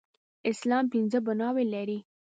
اسلام پنځه بناوې لري.